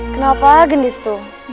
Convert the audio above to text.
kenapa gendis tuh